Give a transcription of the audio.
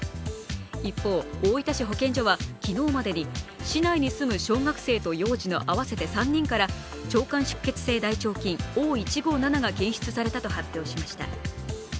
一方、大分市保健所は昨日までに市内に住む小学生と幼児の合わせて３人から腸管出血性大腸菌＝Ｏ１５７が検出されたと発表しました。